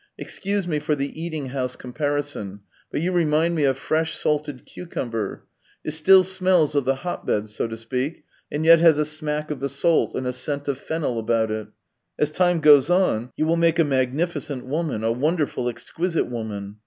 " Excuse me for the eating house comparison, but you remind me of fresh salted cucumber; it still smells of the hotbed, so to speak, and yet has a smack of the salt and a scent of fennel about it. As time goes on you will make a magnificent woman, a wonderful, exquisite woman.